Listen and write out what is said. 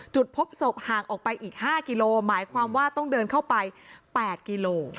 จุดพบศพห่างออกไปอีก๕กิโลหมายความว่าต้องเดินเข้าไป๘กิโล